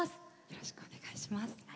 よろしくお願いします。